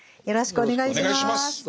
よろしくお願いします。